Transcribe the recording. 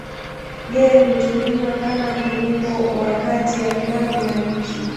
Yeye hutumiwa kama kiungo wa kati ya klabu na nchi.